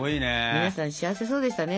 皆さん幸せそうでしたね